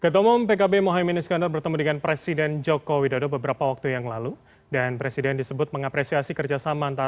tim liputan cnn indonesia